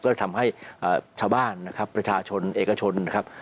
ก็ทำให้ชาวบ้านนะครับประชาชนเอกชนนะครับ